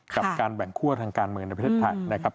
กับการแบ่งคั่วทางการเมืองในประเทศไทยนะครับ